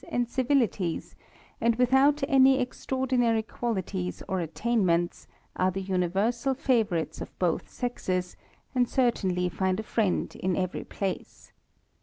. and civilities; and without any extraordinary qualities or "v V attainments, are the universal favourites of both sexes, and certainly find a friend in every place.